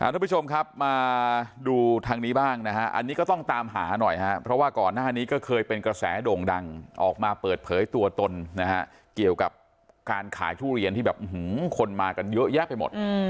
ทุกผู้ชมครับมาดูทางนี้บ้างนะฮะอันนี้ก็ต้องตามหาหน่อยฮะเพราะว่าก่อนหน้านี้ก็เคยเป็นกระแสโด่งดังออกมาเปิดเผยตัวตนนะฮะเกี่ยวกับการขายทุเรียนที่แบบคนมากันเยอะแยะไปหมด